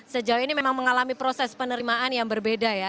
sejauh ini memang mengalami proses penerimaan yang berbeda ya